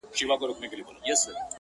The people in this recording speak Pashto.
زما او د پښتونخوا د سترګو تور منظور !